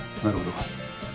なるほど。